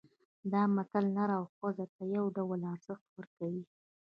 دا متل نر او ښځې ته یو ډول ارزښت ورکوي